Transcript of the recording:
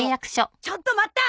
ちょっと待った！